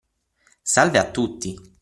Salve a tutti.